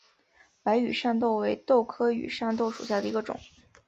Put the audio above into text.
白羽扇豆为豆科羽扇豆属下的一个种。